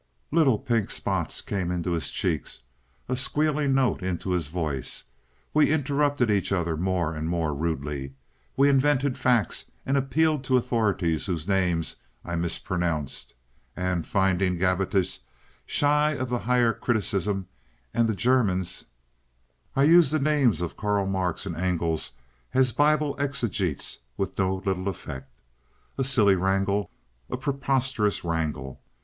Little pink spots came into his cheeks, a squealing note into his voice. We interrupted each other more and more rudely. We invented facts and appealed to authorities whose names I mispronounced; and, finding Gabbitas shy of the higher criticism and the Germans, I used the names of Karl Marx and Engels as Bible exegetes with no little effect. A silly wrangle! a preposterous wrangle!